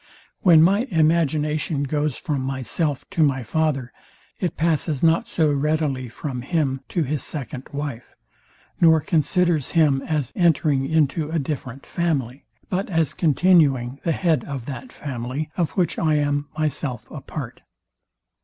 When my imagination goes from myself to my father, it passes not so readily from him to his second wife, nor considers him as entering into a different family, but as continuing the head of that family, of which I am myself a part.